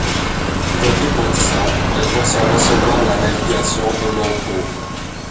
Votée pour dix ans, elle concernait seulement la navigation au long cours.